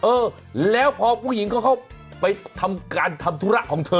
เออแล้วพอผู้หญิงเขาเข้าไปทำการทำธุระของเธอ